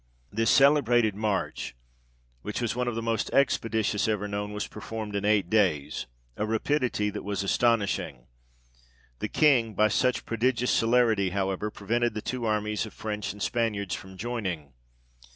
This celebrated march, which was one of the most expeditious ever known, was performed in eight days ; a rapidity that was astonishing. The King, by such prodigious celerity, however, prevented the two armies of French and Spaniards from joining.